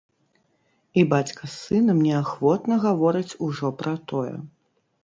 І бацька з сынам неахвотна гаворыць ужо пра тое.